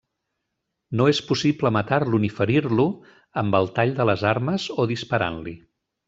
No és possible matar-lo ni ferir-lo amb el tall de les armes o disparant-li.